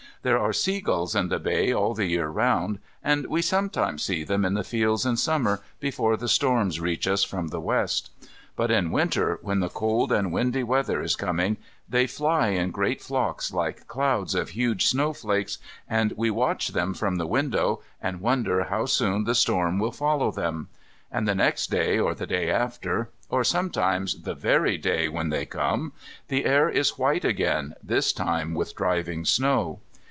There are seagulls in the bay all the year round, and we sometimes see them in the fields in Summer before the storms reach us from the west. But in Winter when the cold and windy weather is coming, they fly in great flocks like clouds of huge snow flakes, and we watch them from the window and wonder how soon the storm will follow them. And the next day or the day after, or sometimes the very day when they come, the air is white again, this time with driving snow.